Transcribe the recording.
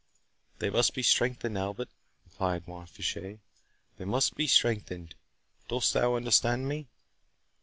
"They must be strengthened, Albert," replied Mont Fitchet, "they must be strengthened. Dost thou understand me?"